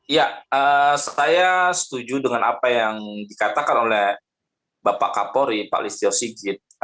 ya saya setuju dengan apa yang dikatakan oleh bapak kapolri pak listio sigit